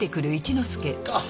あっ。